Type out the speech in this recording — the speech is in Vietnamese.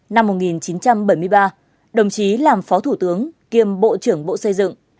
năm một nghìn chín trăm bảy mươi ba đồng chí làm phó thủ tướng kiêm bộ trưởng bộ xây dựng